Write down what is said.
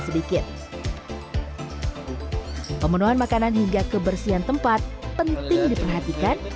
sedikit pemenuhan makanan hingga kebersihan tempat penting diperhatikan